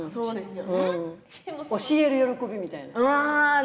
教える喜びみたいな。